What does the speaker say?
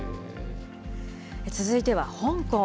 続いては香港。